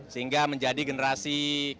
sehingga menjadi generasi